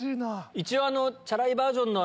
一応。